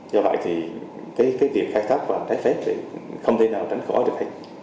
do vậy việc khai thác vàng trái phép không thể nào tránh khỏi được